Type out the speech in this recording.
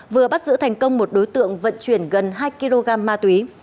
vừa bắt giữ thành công một đối tượng vận chuyển gần hai kg ma túy